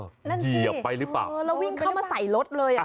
นั่นสิอย่าไปหรือเปล่าแล้ววิ่งเข้ามาใส่รถเลย